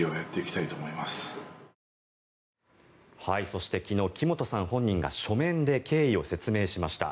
そして、昨日木本さん本人が書面で経緯を説明しました。